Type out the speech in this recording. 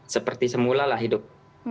seperti semula lah hidup